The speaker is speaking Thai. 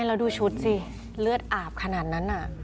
เลือดอาบขนาดนั้นน่ะ